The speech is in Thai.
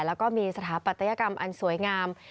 แล้วก็มีสถาปัตยกรรมอันสวยงาม